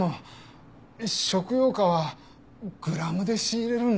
食用花はグラムで仕入れるんで。